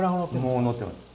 もうのってます。